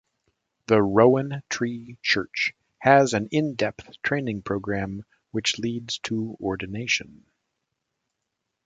The Rowan Tree Church has an in-depth training program which leads to ordination.